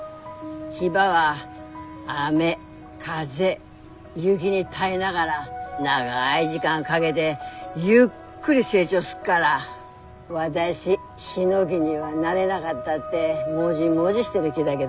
ヒバは雨風雪に耐えながら長い時間かげでゆっくり成長すっから私ヒノキにはなれながったってもじもじしてる木だげどね